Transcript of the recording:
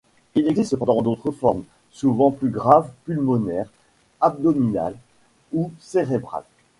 Il existe cependant d'autres formes, souvent plus graves, pulmonaires, abdominales ou cérébrales.